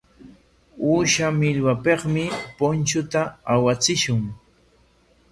Uusha millwapikmi punchuta awachishun.